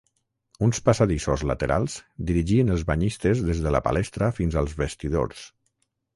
Uns passadissos laterals dirigien els banyistes des de la palestra fins als vestidors.